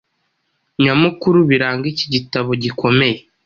nyamukuru biranga iki gitabo gikomeye